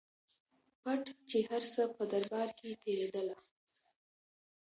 پټ چي هر څه په دربار کي تېرېدله